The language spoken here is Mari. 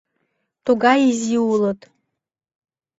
Тугай изи улыт.